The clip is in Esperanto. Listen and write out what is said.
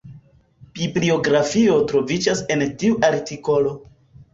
Bibliografio troviĝas en tiu artikolo.